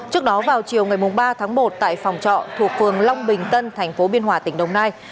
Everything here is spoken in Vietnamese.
trước đó vào chiều ba một tại phòng trọ thuộc phường long bình tân tp biên hòa tỉnh đồng nai